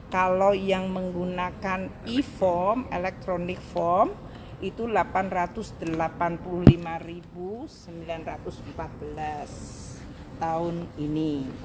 kalau yang menggunakan eform elektronik form itu delapan ratus delapan puluh lima sembilan ratus empat belas tahun ini